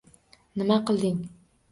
Nima qilding?